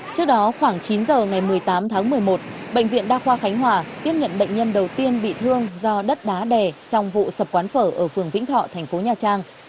trước đó khoảng chín giờ ngày một mươi tám tháng một mươi một bệnh viện đa khoa khánh hòa tiếp nhận bệnh nhân đầu tiên bị thương do đất đá đè trong vụ sập quán phở ở phường vĩnh thọ thành phố nha trang